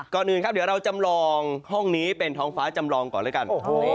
ก่อนอื่นครับเดี๋ยวเราจำลองห้องนี้เป็นท้องฟ้าจำลองก่อนแล้วกัน